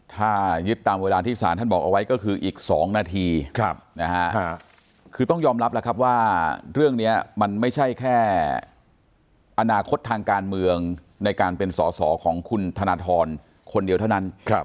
ถ้ายึดตามเวลาที่สารท่านบอกเอาไว้ก็คืออีก๒นาทีคือต้องยอมรับแล้วครับว่าเรื่องนี้มันไม่ใช่แค่อนาคตทางการเมืองในการเป็นสอสอของคุณธนทรคนเดียวเท่านั้น